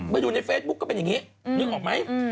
ไปดูในเฟซบุ๊กก็เป็นอย่างนี้นึกออกไหม